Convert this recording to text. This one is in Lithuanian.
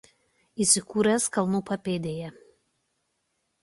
Įsikūręs kalnų papėdėje.